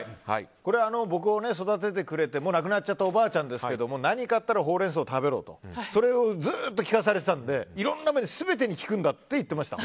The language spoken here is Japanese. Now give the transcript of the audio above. これは僕を育ててくれて亡くなっちゃったおばあちゃんですけど何かあったらほうれん草を食べろとそれをずっと聞かされてたんでいろんな面全てに効くんだと言っていました。